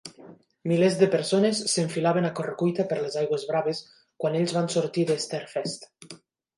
Milers de persones s'enfilaven a corre-cuita per les aigües braves quan ells van sortir d'Easterfest.